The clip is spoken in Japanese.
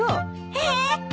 えっ！？